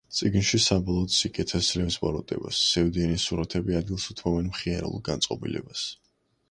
წიგნში საბოლოოდ სიკეთე სძლევს ბოროტებას, სევდიანი სურათები ადგილს უთმობენ მხიარულ განწყობილებას.